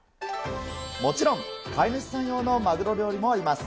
もちろん、飼い主さん用のマグロ料理もあります。